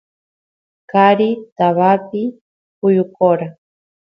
qari tabapi kuyukora